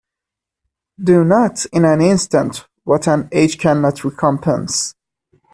Do not in an instant what an age cannot recompense.